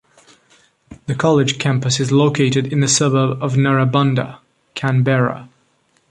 The college campus is located in the suburb of Narrabundah, Canberra.